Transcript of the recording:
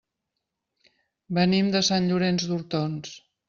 Venim de Sant Llorenç d'Hortons.